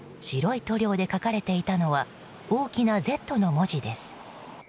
白い塗料で書かれていたのは大きな「Ｚ」の文字です。